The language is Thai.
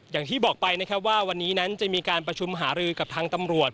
อย่างที่บอกไปนะครับว่าวันนี้นั้นจะมีการประชุมหารือกับทางตำรวจ